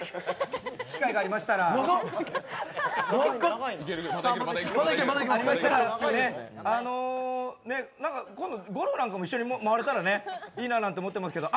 機会がありましたらあの、ね、今度ゴルフなんかも一緒に回れたらいいなななんて思ってますけど。